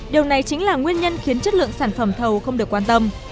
điều này chính là nguyên nhân khiến chất lượng sản phẩm thầu không được quan tâm